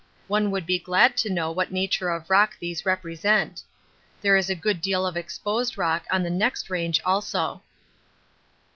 One would be glad to know what nature of rock these represent. There is a good deal of exposed rock on the next range also.